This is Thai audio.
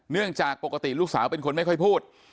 เนื่องจากปกติลูกสาวเป็นคนไม่ค่อยพูด